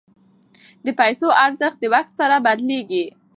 د پیسو ارزښت د وخت سره بدلیږي.